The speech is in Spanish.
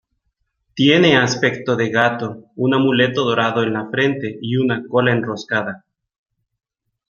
Tiene aspecto de gato, un amuleto dorado en la frente y una cola enroscada.